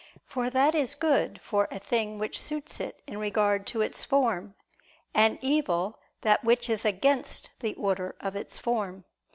For that is good for a thing which suits it in regard to its form; and evil, that which is against the order of its form.